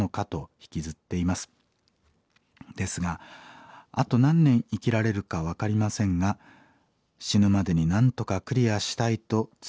ですがあと何年生きられるか分かりませんが死ぬまでになんとかクリアしたいと強く願っています。